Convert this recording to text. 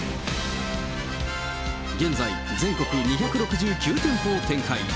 現在、全国２６９店舗を展開。